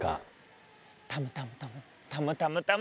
タムタムタムタムタムタム。